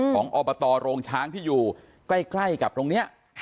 อบตโรงช้างที่อยู่ใกล้กับตรงนี้